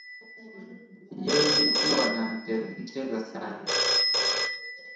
Yeye huwa na mcheza sana